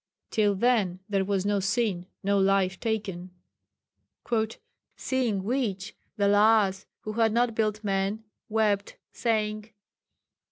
Till then, there was no sin, no life taken.'). "Seeing which the Lhas who had not built men, wept, saying.